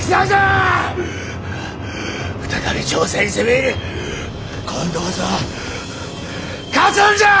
再び朝鮮に攻め入り今度こそ勝つんじゃ！